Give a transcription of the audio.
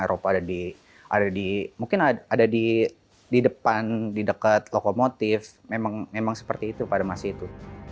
eropa ada di ada di mungkin ada di depan di dekat lokomotif memang seperti itu pada masa itu